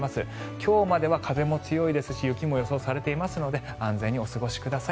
今日までは風も強いですし雪も予想されていますので安全にお過ごしください。